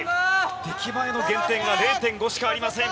出来栄えの減点が０．５しかありません。１４．７００。